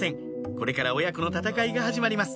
これから親子の闘いが始まります